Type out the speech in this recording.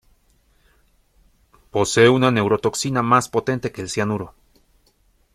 Posee una neurotoxina más potente que el cianuro.